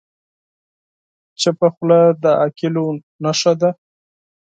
چپه خوله، د عاقلو نښه ده.